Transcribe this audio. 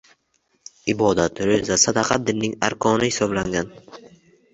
Ibodat, ro‘za, sadaqa dinning arkoni hisoblangan.